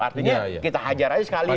artinya kita ajar aja sekalian